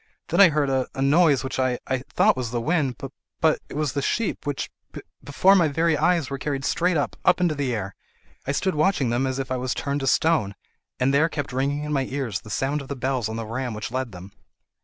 Then I heard a—a noise, which I—I thought was the wind. But—but—it was the sheep, which, be—before my very eyes, were carried straight up—up into the air. I stood watching them as if I was turned to stone, but there kept ringing in my ears the sound of the bells on the ram which led them."